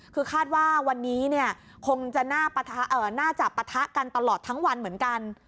คือคาดว่าวันนี้เนี่ยคงจะน่าจะปะทะกันตลอดทั้งวันเหมือนกัน